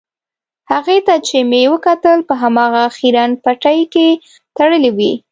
هغې ته چې مې وکتل په هماغه خیرن پټۍ کې تړلې وې.